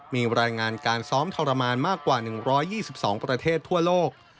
มีรายงานการซ้อมทรมานมากกว่า๑๒๒ประเทศทั่วโลก